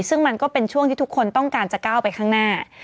ซึ่งมันก็เป็นช่วงที่ทุกคนต้องการจะก้าวไปข้างหน้า